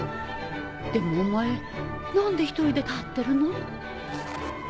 でもお前何で１人で立ってるの？